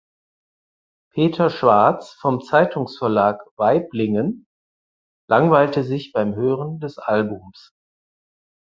Peter Schwarz vom Zeitungsverlag Waiblingen langweilte sich beim Hören des Albums.